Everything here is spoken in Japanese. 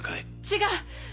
違う！